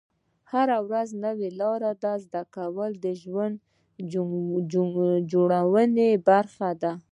هره ورځ نوې لارې زده کول د ژوند جوړونې برخه ده.